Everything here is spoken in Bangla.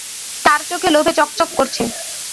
তার চোখে লোভে চক চক করছে।